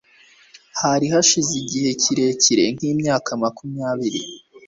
hari hashize igihe kirekire, nk'imyaka makumyabiri